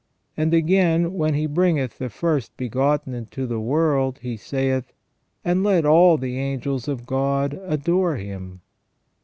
And again, when He bringeth the first begotten into the world, He saith : And let all the angels of God adore Him."